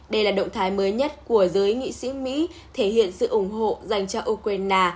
đây là động thái mới nhất của giới nghị sĩ mỹ thể hiện sự ủng hộ dành cho ukraine